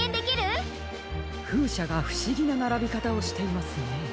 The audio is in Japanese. ふうしゃがふしぎなならびかたをしていますね。